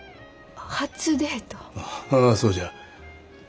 ああそうじゃ。